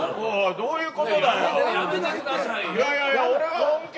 どういう事だよ。